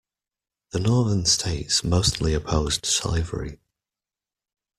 The northern states mostly opposed slavery.